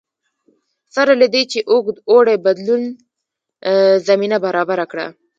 سره له دې چې اوږد اوړي بدلون زمینه برابره کړه